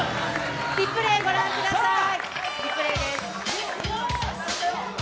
リプレーご覧ください。